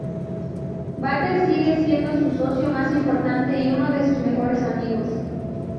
Bates sigue siendo su socio más importante y uno de sus mejores amigos.